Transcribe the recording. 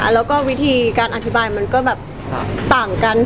แล้วก็วิธีการอธิบายมันก็แบบต่างกัน